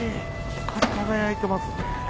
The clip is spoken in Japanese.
光り輝いてますね。